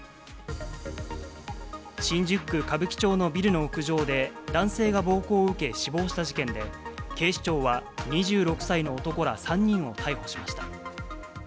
新宿区歌舞伎町のビルの屋上で、男性が暴行を受け死亡した事件で、警視庁は、２６歳の男ら３人を逮捕しました。